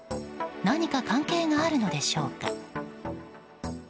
何か関係があるのでしょうか。